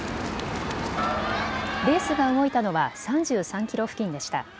レースが動いたのは３３キロ付近でした。